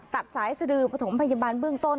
ตัดสายสดือปฐมพยาบาลเบื้องต้น